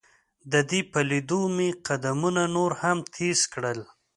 د دې په لیدو مې قدمونه نور هم تیز کړل.